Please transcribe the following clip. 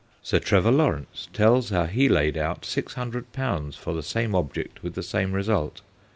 Sir Trevor Lawrence tells how he laid out six hundred pounds for the same object with the same result.